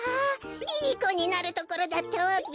いいこになるところだったわべ。